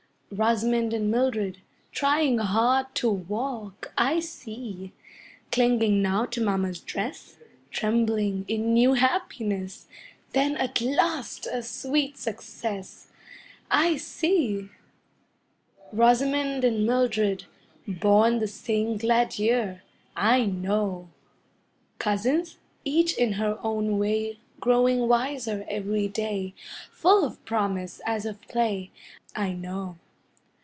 Rosamond and Mildred, trying hard to walk I see! Clinging now to mamma's dress, Trembling in new happiness, Then at last a sweet success I see! Rosamond and Mildred, born the same glad year I know! Cousins; each in her own way Growing wiser every day, Full of promise as of play I know!